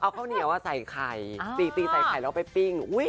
กี้ใส่ไข่แล้วไปปิ้ง